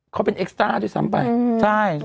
เขาเป็นเอกสตาร์ดด้วยซ้ำไป